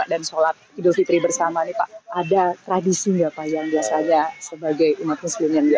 dan sholat idul fitri bersama nih pak ada tradisi enggak pak yang biasanya sebagai umat muslim yang